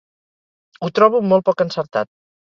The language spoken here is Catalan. Ho trobo molt poc encertat.